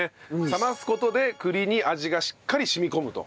冷ます事で栗に味がしっかり染み込むと。